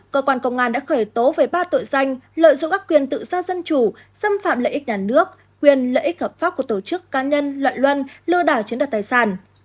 cơ quan công an đã khởi tố về ba tội danh lợi dụng các quyền tự do dân chủ xâm phạm lợi ích nhà nước quyền lợi ích hợp pháp của tổ chức cá nhân loại luân lừa đảo chiếm đặt tài sản